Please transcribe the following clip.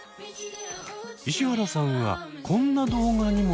石原さんはこんな動画にも注目。